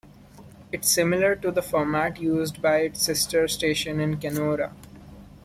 It's similar to the format used by its sister station in Kenora.